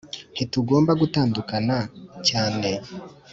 Ntitugomba gutandukana cyane